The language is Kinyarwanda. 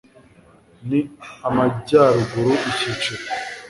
n Amajyaruguru Icyiciro